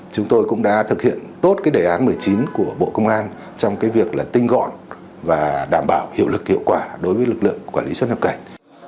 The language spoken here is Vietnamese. chúng tôi cũng đã thực hiện tốt cái đề án một mươi chín của bộ công an trong việc tinh gọn và đảm bảo hiệu lực hiệu quả đối với lực lượng quản lý xuất nhập cảnh